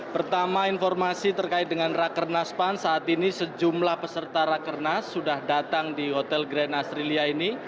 pertama informasi terkait dengan rakernas pan saat ini sejumlah peserta rakernas sudah datang di hotel grand asrilia ini